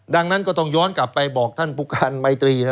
ดังนั้นก็ต้องย้อนกลับไปบอกท่านผู้การไมตรี